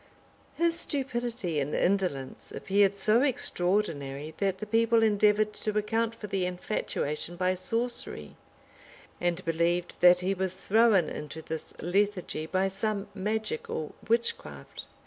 [*] His stupidity and indolence appeared so extraordinary that the people endeavored to account for the infatuation by sorcery, and believed that he was thrown into this lethargy by some magic or witchcraft.